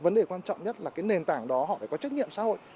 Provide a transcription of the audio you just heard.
vấn đề quan trọng nhất là cái nền tảng đó họ phải có trách nhiệm xã hội